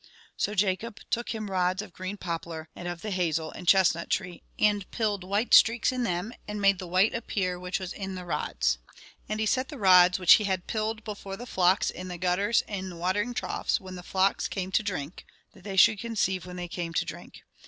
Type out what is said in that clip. So Jacob "took him rods of green poplar, and of the hazel and chestnut tree; and pilled white streaks in them, and made the white appear which was in the rods. And he set the rods which he had pilled before the flocks in the gutters in the watering troughs when the flocks came to drink, that they should conceive when they came to drink.